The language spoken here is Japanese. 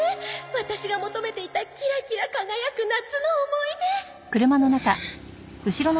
ワタシが求めていたキラキラ輝く夏の思い出